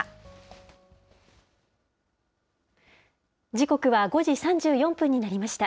時刻は５時３４分になりました。